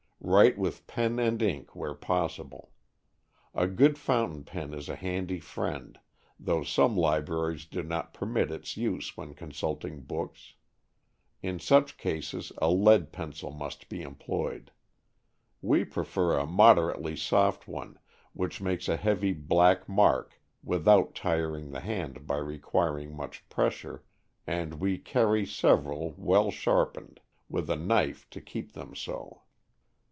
Write with pen and ink where possible. A good fountain pen is a handy friend, though some libraries do not permit its use when consulting books. In such cases a lead pencil must be employed. We prefer a moderately soft one, which makes a heavy black mark without tiring the hand by requiring much pressure, and we carry several, well sharpened, with a knife to keep them so.